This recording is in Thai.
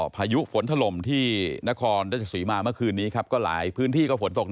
ภายุฝนถล่มที่นาคอร์ณได้เจอสิวิมาเมื่อคืนนี้